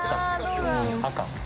赤。